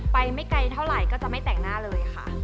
ไม่ไกลเท่าไหร่ก็จะไม่แต่งหน้าเลยค่ะ